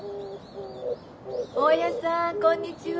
大家さんこんにちは。